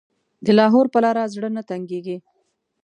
د لاهور په لاره زړه نه تنګېږي.